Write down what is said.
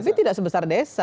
tapi tidak sebesar desa